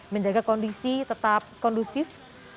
menjaga kondisi tetap kondusif